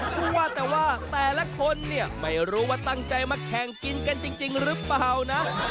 ว่าแต่ว่าแต่ละคนเนี่ยไม่รู้ว่าตั้งใจมาแข่งกินกันจริงหรือเปล่านะ